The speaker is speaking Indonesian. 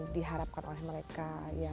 diharapkan oleh mereka